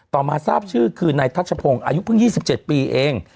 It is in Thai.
มาทราบชื่อคือนายทัชพงศ์อายุเพิ่ง๒๗ปีเอง